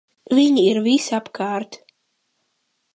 Viņi ir visapkārt!